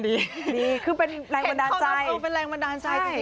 ดีคือเป็นแรงบันดาลใจเป็นแรงบันดาลใจสิ